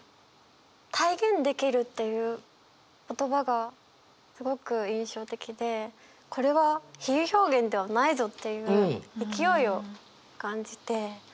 「体現できる」っていう言葉がすごく印象的でこれは比喩表現ではないぞっていう勢いを感じて。